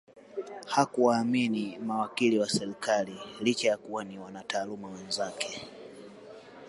Hakuwaamini mawakili wa serikali licha ya kuwa ni wanataaluma wenzake